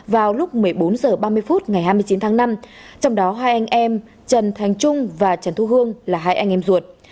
vào lúc một mươi bốn h ba mươi phút ngày hai mươi chín tháng năm trong đó hai anh em trần thành trung và trần thu hương là hai anh em ruột